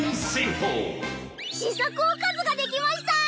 試作おかずができました！